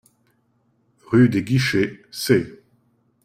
Rue Des Guichets, Sées